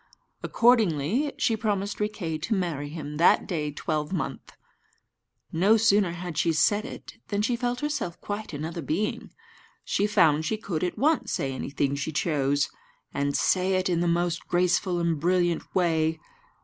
Accordingly, she promised Riquet to marry him that day twelvemonth. No sooner had she said it than she felt herself quite another being. She found she could at once say anything she chose, and say it in the most graceful and brilliant way.